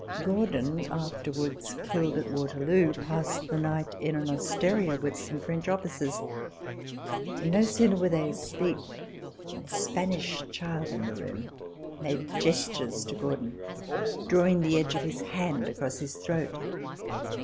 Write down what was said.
Gordon (afterwards killed at Waterloo) passed the night in an osteria with some French officers, and no sooner were they asleep than a Spanish child in the room made gestures to Gordon, draw ing the edge of his hand across his throat.